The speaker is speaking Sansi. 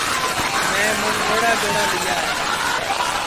میں مونٚگوڑا جوڑا لیا ہے